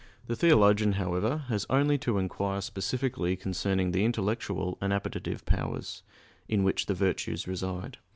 The theologian, however, has only to inquire specifically concerning the intellectual and appetitive powers, in which the virtues reside.